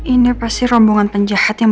ini pasti rombongan penjahat yang